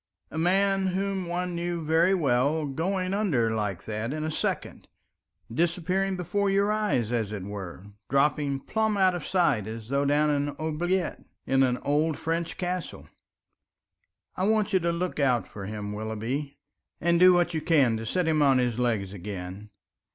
a man whom one knew very well going under like that in a second, disappearing before your eyes as it were, dropping plumb out of sight as though down an oubliette in an old French castle. I want you to look out for him, Willoughby, and do what you can to set him on his legs again.